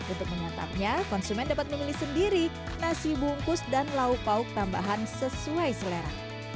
untuk menyantapnya konsumen dapat memilih sendiri nasi bungkus dan lauk lauk tambahan sesuai selera